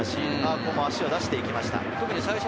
ここも足を出してきました。